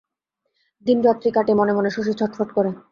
দিনরাত্রি কাটে, মনে মনে শশী ছটফট করে।